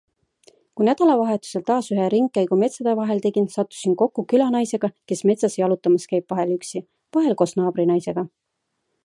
Kui nädalavahetusel taas ühe ringkäigu metsade vahel tegin, sattusin kokku külanaisega, kes metsas jalutamas käib, vahel üksi, vahel koos naabrinaisega.